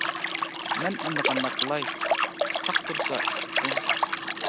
مەن ئەمدى قانداق قىلاي، ساق تۇرسا ئىككى پۇتۇم.